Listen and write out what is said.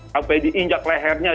sampai diinjak lehernya